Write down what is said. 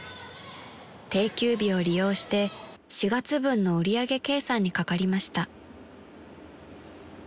［定休日を利用して４月分の売り上げ計算にかかりました］